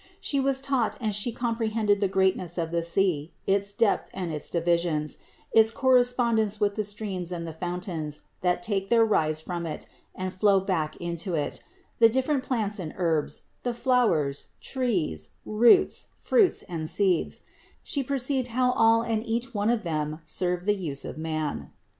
She was taught and She comprehended the greatness of the sea, its depth and its divisions, its correspondence with the streams and the fountains, that take their rise from it and flow back into it; the different plants and herbs, the flowers, trees, roots, fruits and seeds ; She perceived how all and each one of them serve for the use of man.